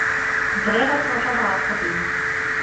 Bɣiɣ ad truḥeḍ ɣer ṭṭbib.